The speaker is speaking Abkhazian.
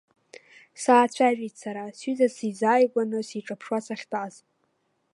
Саацәажәеит сара, сҩыза сизааигәаны, сиҿаԥшуа сахьтәаз.